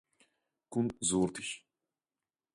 consortes